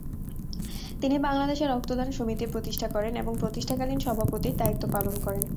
তিনি বাংলাদেশে রক্তদান সমিতি প্রতিষ্ঠা করেন এবং প্রতিষ্ঠাকালীন সভাপতির দায়িত্ব পালন করেন।